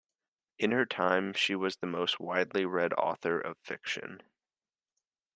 In her time, she was the most widely read author of fiction.